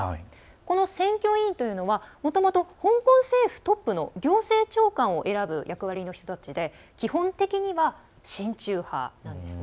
この選挙委員というのはもともと香港政府トップの行政長官を選ぶ役割の人たちで基本的には、親中派なんですね。